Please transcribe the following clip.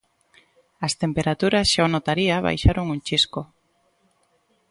As temperaturas, xa o notaría, baixaron un chisco.